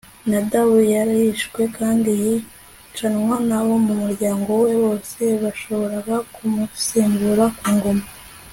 Nadabu yarishwe kandi yicanwa nabo mu muryango we bose bashoboraga kumusimbura ku ngoma